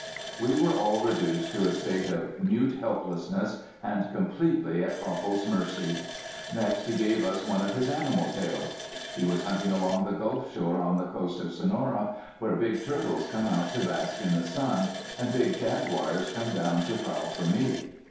We were all reduced to a state of mute helplessness and completely at Copple's mercy. Next he gave us one of his animal tales. He was hunting along the gulf shore on the coast of Sonora, where big turtles come out to bask in the sun and big jaguars come down to prowl for meat.